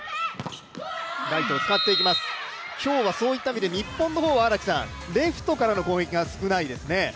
今日はそういった意味で日本の方はレフトからの攻撃が少ないですね。